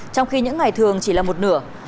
trong khi những ngày thường chỉ là một nửa